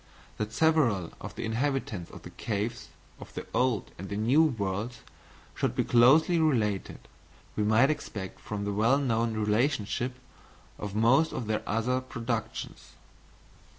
That several of the inhabitants of the caves of the Old and New Worlds should be closely related, we might expect from the well known relationship of most of their other productions.